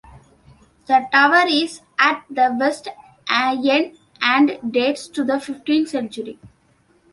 The tower is at the west end and dates to the fifteenth century.